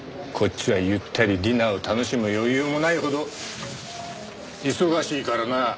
こっちはゆったりディナーを楽しむ余裕もないほど忙しいからな。